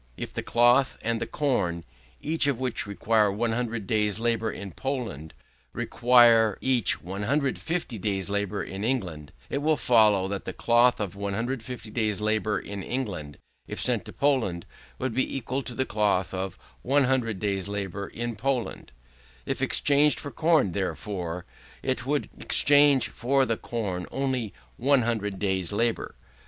"If the cloth and the corn, each of which required 100 days' labour in Poland, required each 150 days' labour in England; it would follow, that the cloth of 150 days' labour in England, if sent to Poland, would be equal to the cloth of 100 days' labour in Poland: if exchanged for corn, therefore, it would exchange for the corn of only 100 days' labour.